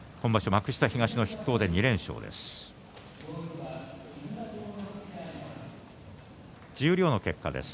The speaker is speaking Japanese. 幕下東の筆頭で２連勝です。